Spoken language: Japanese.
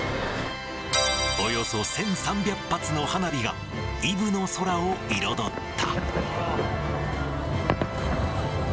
およそ１３００発の花火がイブの空を彩った。